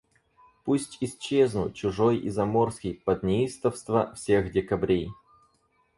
Пусть исчезну, чужой и заморский, под неистовства всех декабрей.